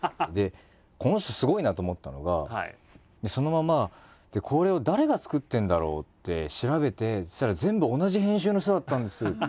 この人すごいなと思ったのがそのまま「これを誰が作ってるんだろう？って調べてそしたら全部同じ編集の人だったんです」って。